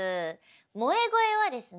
萌え声はですね